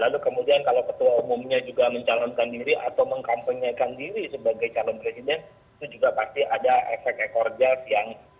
lalu kemudian kalau ketua umumnya juga mencalonkan diri atau mengkampanyekan diri sebagai calon presiden itu juga pasti ada efek ekor jas yang